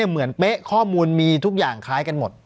เป๊ะข้อมูลมีทุกอย่างคล้ายกันหมด